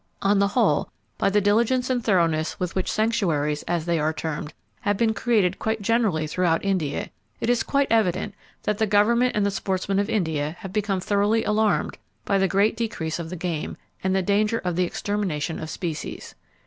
On the whole, by the diligence and thoroughness with which sanctuaries, as they are termed, have been created quite generally throughout India, it is quite evident that the government and the sportsmen of India have become thoroughly alarmed by the great decrease of the game, and the danger of the extermination of species.